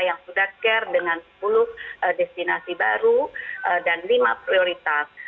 yang sudah care dengan sepuluh destinasi baru dan lima prioritas